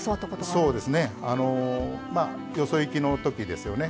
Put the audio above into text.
そうですねまあよそいきのときですよね。